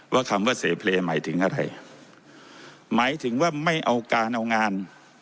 คำว่าเสเพลย์หมายถึงอะไรหมายถึงว่าไม่เอาการเอางาน